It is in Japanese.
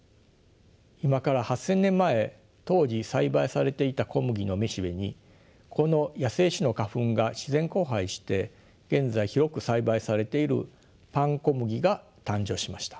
今から８，０００年前当時栽培されていた小麦の雌しべにこの野生種の花粉が自然交配して現在広く栽培されているパンコムギが誕生しました。